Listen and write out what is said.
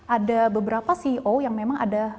ada beberapa ceo yang memang ada